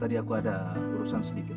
tadi aku ada urusan sedikit